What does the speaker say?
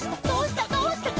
どうした？」